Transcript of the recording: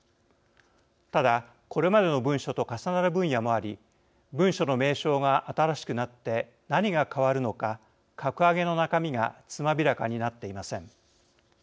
ただ、これまでの文書と重なる分野もあり文書の名称が新しくなって何が変わるのか、格上げの中身がつまびらかになっていません。